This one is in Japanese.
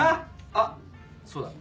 あっそうだ。